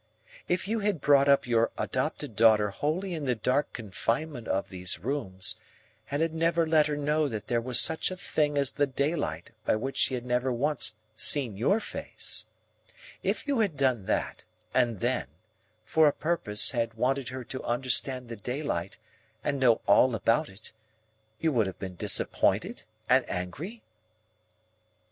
If you had brought up your adopted daughter wholly in the dark confinement of these rooms, and had never let her know that there was such a thing as the daylight by which she had never once seen your face,—if you had done that, and then, for a purpose had wanted her to understand the daylight and know all about it, you would have been disappointed and angry?"